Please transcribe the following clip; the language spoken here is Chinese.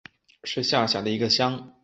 是下辖的一个乡。